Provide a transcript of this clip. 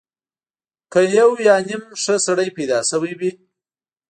که یو یا نیم ښه سړی پیدا شوی وي.